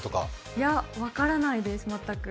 いや、分からないです、全く。